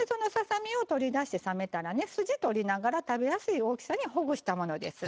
そのささみを取り出して冷めたら筋取りながら食べやすい大きさにほぐしたものです。